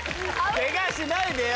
ケガしないでよ